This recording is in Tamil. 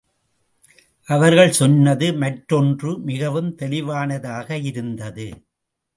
அவர்கள் சொன்னது மற்றொன்று மிகவும் தெளிவானதாக இருந்தது.